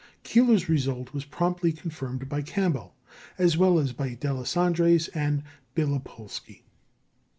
Keeler's result was promptly confirmed by Campbell, as well as by Deslandres and Bélopolsky.